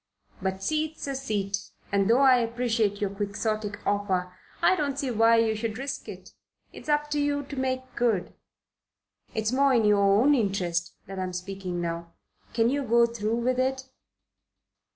But a seat's a seat, and though I appreciate your Quixotic offer, I don't see why we should risk it. It's up to you to make good. It's more in your own interest that I'm speaking now. Can you go through with it?"